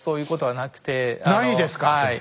ないですか先生。